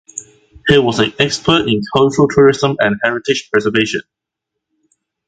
He was an expert in cultural tourism and heritage preservation.